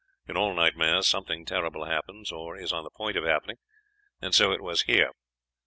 In all nightmares something terrible happens, or is on the point of happening; and so it was here.